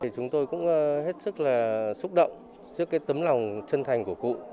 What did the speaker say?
chúng tôi cũng hết sức là xúc động trước tấm lòng chân thành của cụ